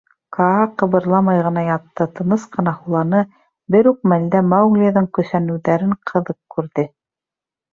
Каа ҡыбырламай ғына ятты, тыныс ҡына һуланы, бер үк мәлдә Мауглиҙың көсәнеүҙәрен ҡыҙыҡ күрҙе.